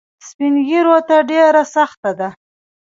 سپین ږیرو ته ډېره سخته ده.